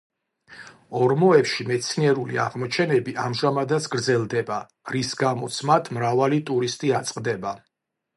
ორმოებში მეცნიერული აღმოჩენები ამჟამადაც გრძელდება, რის გამოც მათ მრავალი ტურისტი აწყდება.